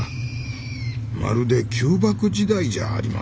まるで旧幕時代じゃありませんか。